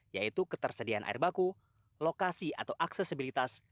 yaitu ketersediaan air baku lokasi atau aksesibilitas